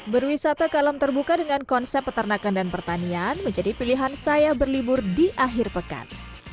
berwisata ke alam terbuka dengan konsep peternakan dan pertanian menjadi pilihan saya berlibur di akhir pekan